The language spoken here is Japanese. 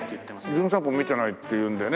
『じゅん散歩』見てないっていうんでね。